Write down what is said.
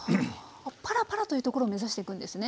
パラパラというところを目指してくんですね。